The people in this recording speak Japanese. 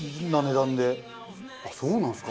そうなんですか。